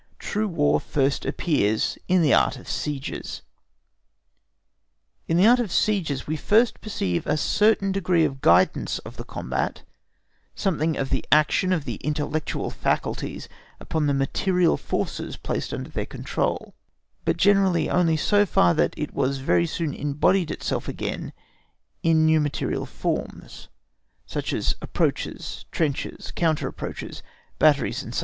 TRUE WAR FIRST APPEARS IN THE ART OF SIEGES. In the art of sieges we first perceive a certain degree of guidance of the combat, something of the action of the intellectual faculties upon the material forces placed under their control, but generally only so far that it very soon embodied itself again in new material forms, such as approaches, trenches, counter approaches, batteries, &c.